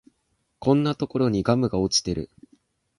こんなところにガムが落ちてる